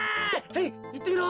はいいってみろ。